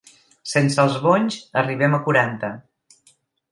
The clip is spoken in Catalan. Sense els bonys arribem a quaranta.